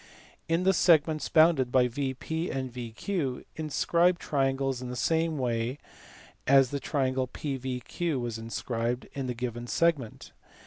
In the segments bounded by VP and VQ inscribe triangles in the same way as the triangle PVQ was inscribed in the given segment.